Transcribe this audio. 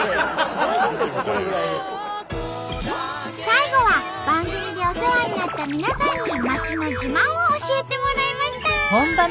最後は番組でお世話になった皆さんに街の自慢を教えてもらいました。